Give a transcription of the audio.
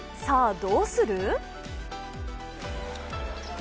さあ、どうする？